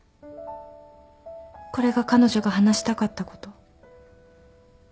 これが彼女が話したかったこと。